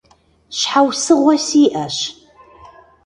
Щхьэусыгъуэ сиӀэщ.